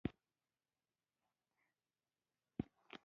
یعنې د لکړو له کارولو څخه ډېر وخت نه و تېر شوی.